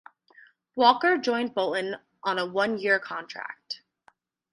Walker joined Bolton on a one-year contract.